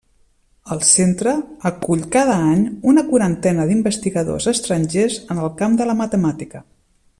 El Centre acull cada any una quarantena d'investigadors estrangers en el camp de la matemàtica.